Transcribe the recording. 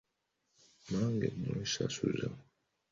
Nange mwesasuzza!